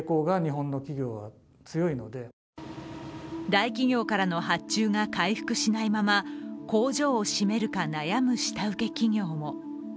大企業からの発注が回復しないまま工場を閉めるか悩む下請け企業も。